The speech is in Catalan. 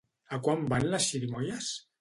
A quant van les xirimoies?